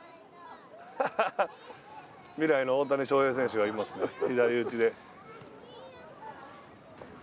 未来の大谷翔平選手がいますよ、左打ちで。